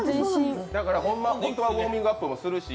本当はウォーミングアップもするし